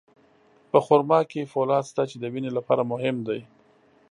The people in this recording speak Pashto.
په خرما کې فولاد شته، چې د وینې لپاره مهم دی.